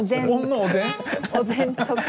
お膳とか。